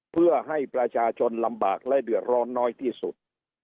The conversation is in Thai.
เพื่อให้ประชาชนลำบากและเดือดร้อนน้อยที่สุด